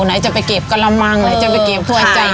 ไหนจะไปเก็บกระลำมังไหนจะไปเก็บถ้วยใจนะคะ